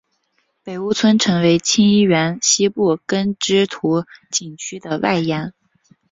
北坞村成为清漪园西部耕织图景区的外延。